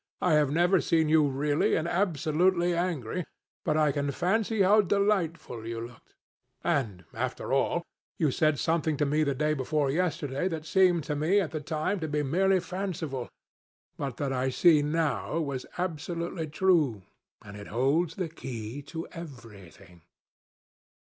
I have never seen you really and absolutely angry, but I can fancy how delightful you looked. And, after all, you said something to me the day before yesterday that seemed to me at the time to be merely fanciful, but that I see now was absolutely true, and it holds the key to everything."